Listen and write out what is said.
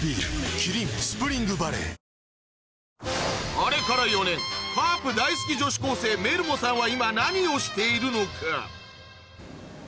あれから４年カープ大好き女子高生ＭＥＲＵＭＯさんは今何をしているのか？